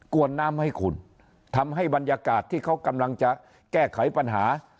วนน้ำให้คุณทำให้บรรยากาศที่เขากำลังจะแก้ไขปัญหา